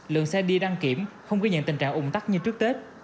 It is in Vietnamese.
lượng xe đi đăng kiểm không ghi nhận tình trạng ủng tắc như trước tết